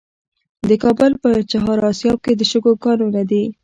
د کابل په چهار اسیاب کې د شګو کانونه دي.